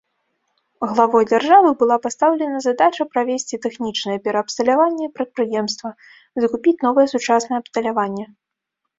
Главой дзяржавы была пастаўлена задача правесці тэхнічнае пераабсталяванне прадпрыемства, закупіць новае сучаснае абсталяванне.